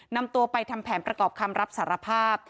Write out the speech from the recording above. นำตัวไปทำแผนประกอบคำรับสารภาพ